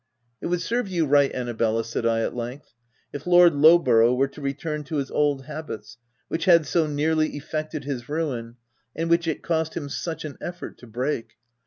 " It would serve you right, Annabella," said I at length, " if Lord Lowborough were to return to his old habits, which had so nearly effected his ruin, and which it cost him such an effort to break.